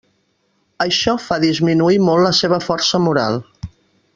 Això fa disminuir molt la seva força moral.